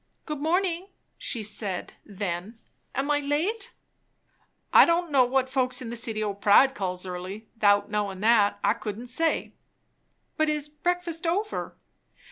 "Good morning!" she said then. "Am I late?" "I don' know what folks in the City o' Pride calls early. 'Thout knowing that, I couldn't say." "But is breakfast over?"